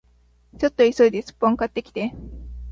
ちょっと急いでスッポン買ってきて